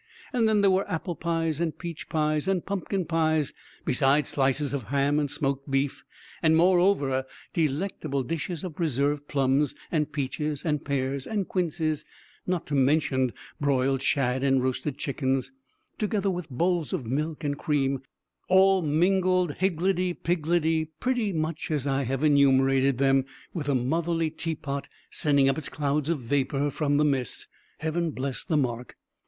And then there were apple pies, and peach pies, and pumpkin pies; besides slices of ham and smoked beef; and moreover delectable dishes of preserved plums, and peaches, and pears, and quinces; not to mention broiled shad and roasted chickens; together with bowls of milk and cream, all mingled higgledy piggledy, pretty much as I have enumerated them, with the motherly teapot sending up its clouds of vapor from the midst Heaven bless the mark!